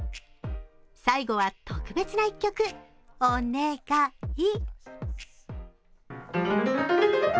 最後は特別な１曲、お願い！